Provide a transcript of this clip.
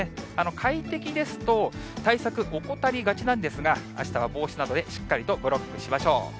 快適ですと、対策怠りがちなんですが、あしたは帽子などでしっかりとブロックしましょう。